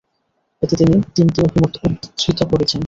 এতে তিনি তিনটি অভিমত উদ্ধৃত করেছেন।